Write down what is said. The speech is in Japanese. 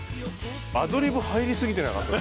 アドリブ入りすぎてなかった？